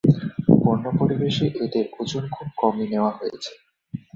বন্য পরিবেশে এদের ওজন খুব কমই নেওয়া হয়েছে।